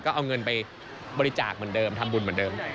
ก็เอาเงินไปบริจาคเหมือนเดิมทำบุญเหมือนเดิม